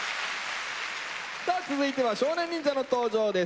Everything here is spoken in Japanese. さあ続いては少年忍者の登場です。